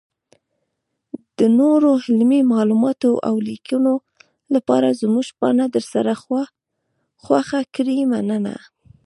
-دنورو علمي معلوماتو اولیکنو لپاره زمونږ پاڼه درسره خوښه کړئ مننه.